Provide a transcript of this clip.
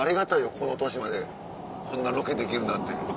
この年までこんなロケできるなんて。